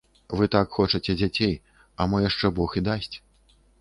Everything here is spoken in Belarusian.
Вы так хочаце дзяцей, а мо яшчэ бог і дасць.